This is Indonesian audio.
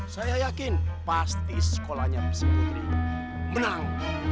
saya yakin pasti sekolahnya si putri menang